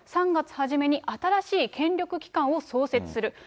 ３月初めに新しい権力機関を創設する。